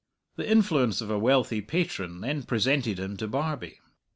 The influence of a wealthy patron then presented him to Barbie.